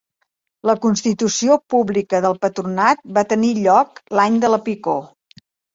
La constitució pública del patronat va tenir lloc l'any de la picor.